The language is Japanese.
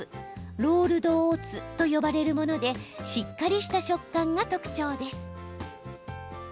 ロールドオーツと呼ばれるものでしっかりした食感が特徴です。